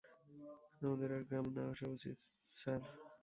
আমাদের আর গ্রামে না আসা উচিত, স্যার।